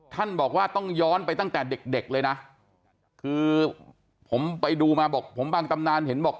ท่านบอกว่าต้องย้อนไปตั้งแต่เด็กเลยนะคือผมไปดูมาบอกผมบางตำนานเห็นบอก